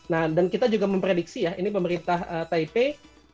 nah dan kita juga memprediksi ya ini pemerintah taipei